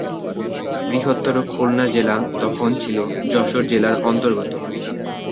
বৃহত্তর খুলনা জেলা তখন ছিল যশোর জেলার অন্তর্গত।